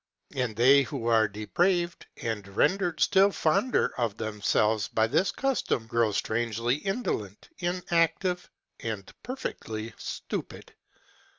And they who are depraved, and rendered still fonder of themselves by this custom, grow strangely indolent, inactive, and perfectly stupid.